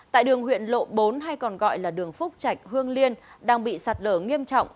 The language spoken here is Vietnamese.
tại đường huyện lộ bốn hay còn gọi là đường phúc trạch hương liên đang bị sạt lở nghiêm trọng